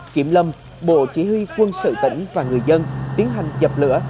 kiểm lâm bộ chỉ huy quân sự tỉnh và người dân tiến hành dập lửa